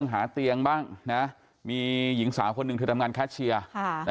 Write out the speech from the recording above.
หาเตียงบ้างนะนักมีหญิงสาวคนหนึ่งทำงานคราชเชีย์นะ